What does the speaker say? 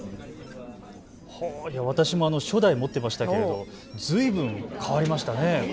私も初代を持っていましたがずいぶん変わりましたね。